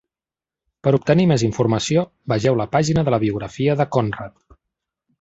Per obtenir més informació, vegeu la pàgina de la biografia de Conrad.